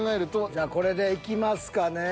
じゃこれでいきますかね。